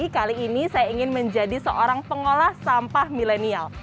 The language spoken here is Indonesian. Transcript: kali ini saya ingin menjadi seorang pengolah sampah milenial